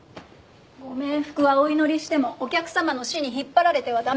ご冥福はお祈りしてもお客様の死に引っ張られてはダメ。